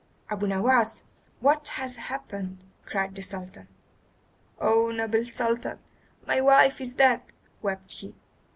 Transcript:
"Abu Nowas! What has happened?" cried the Sultan. "Oh, noble Sultan, my wife is dead," wept he.